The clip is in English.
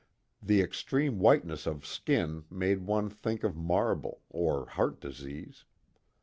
The extreme whiteness of skin made one think of marble, or heart disease.